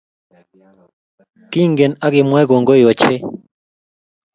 Kingen akemwae kongoi ochei